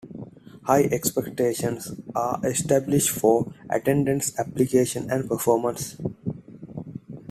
High expectations are established for attendance, application and performance.